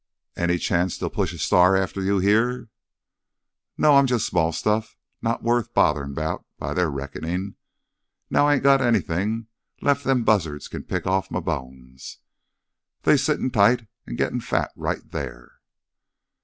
"Any chance they'll push a star after you here?" "No. I'm jus' small stuff, not worth botherin' 'bout by their reckonin', now I ain't got anythin' left them buzzards can pick offen m' bones. They's sittin' tight an' gittin' fat right there."